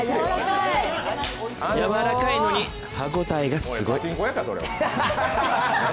やわらかいのに、歯応えがすごい。